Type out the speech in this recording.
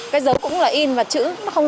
cái dấu cũng là in và chữ